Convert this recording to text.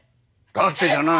だってじゃない。